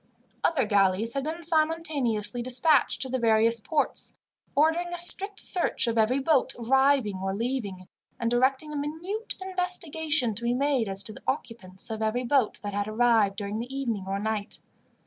Other galleys had been simultaneously dispatched to the various ports, ordering a strict search of every boat arriving or leaving, and directing a minute investigation to be made as to the occupants of every boat that had arrived during the evening or night.